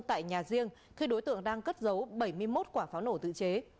tại nhà riêng khi đối tượng đang cất giấu bảy mươi một quả pháo nổ tự chế